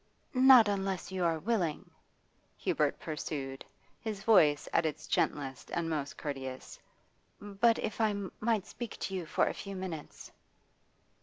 'Not unless you are willing,' Hubert pursued, his voice at its gentlest and most courteous. 'But if I might speak to you for a few minutes